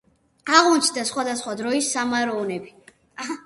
აღმოჩნდა სხვადასხვა დროის სამაროვნები.